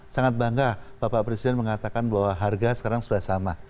sangat bangga bapak presiden mengatakan bahwa harga sekarang sudah sama